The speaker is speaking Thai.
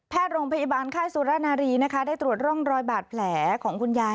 แพทย์โรงพยาบาลไข้สุรณารีได้ตรวจร่องรอยบาดแผลของคุณยาย